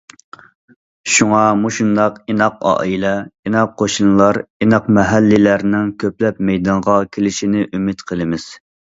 شۇڭا مۇشۇنداق ئىناق ئائىلە، ئىناق قوشنىلار، ئىناق مەھەللىلەرنىڭ كۆپلەپ مەيدانغا كېلىشىنى ئۈمىد قىلىمىز.